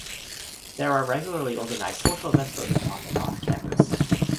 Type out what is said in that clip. There are regularly organized social events both on and off-campus.